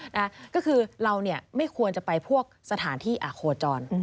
นะคะก็คือเราเนี่ยไม่ควรจะไปพวกสถานที่โคจร